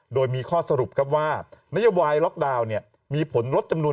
โดยมีข้อสรุปครับว่านโยบายล็อกดาวน์มีผลลดจำนวน